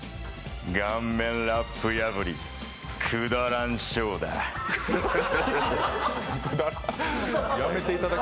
顔面ラップ破り、くだらんショーだ。